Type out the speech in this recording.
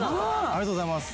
ありがとうございます。